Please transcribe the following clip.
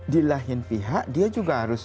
di lain pihak dia juga harus